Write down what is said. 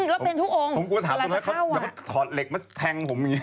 แล้วเป็นทุกองค์เวลาจะเข้าอะผมกลัวถามตรงนั้นเขาถอดเหล็กมาแทงผมอย่างนี้